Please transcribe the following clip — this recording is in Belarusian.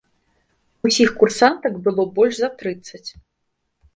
Усіх курсантак было больш за трыццаць.